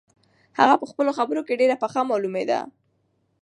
هغه په خپلو خبرو کې ډېره پخه معلومېدله.